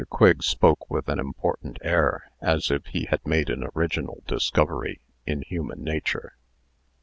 Quigg spoke with an important air, as if he had made an original discovery in human nature.